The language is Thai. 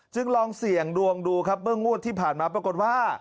ลองเสี่ยงดวงดูครับเมื่องวดที่ผ่านมาปรากฏว่า